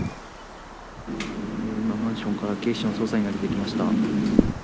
今、マンションから警視庁の捜査員が出てきました。